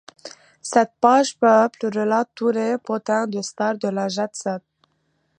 Cette page people relate tous les potins de stars de la jet set.